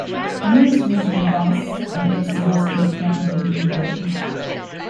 The nearest regional bus and air service can be found in New Bedford.